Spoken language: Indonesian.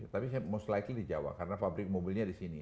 tapi most likely di jawa karena fabrik mobilnya di sini